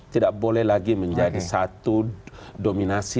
tidak boleh lagi menjadi satu dominasi